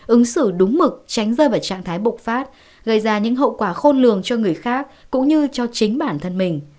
ứng xử đúng mực tránh rơi vào trạng thái bục phát gây ra những hậu quả khôn lường cho người khác cũng như cho chính bản thân mình